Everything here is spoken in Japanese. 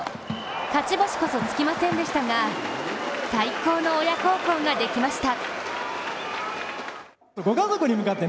勝ち星こそつきませんでしたが最高の親孝行ができました。